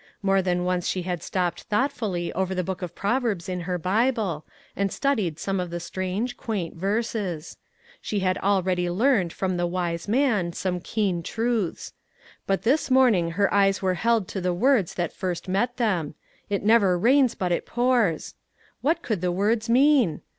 More than once she had stopped thoughtfully over the book of Proverbs in her Bible and studied some of the strange, quaint verses ; she had already learned from the wise man some 328 MAG'S WAGES keen truths. But this morning her eyes were held to the words that first met them :" It never rains but it pours !" What could the words mean